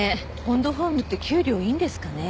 ポンドホームって給料いいんですかね？